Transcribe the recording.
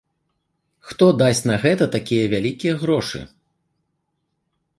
Хто дасць на гэта такія вялікія грошы?